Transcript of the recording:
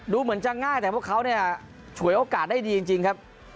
เหมือนจะง่ายแต่พวกเขาเนี่ยฉวยโอกาสได้ดีจริงครับ